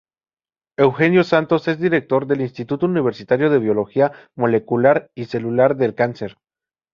Eugenio Santos es director del "Instituto Universitario de Biología Molecular y Celular del Cáncer".